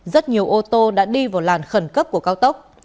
rất nhiều ô tô đã đi vào làn khẩn cấp của cao tốc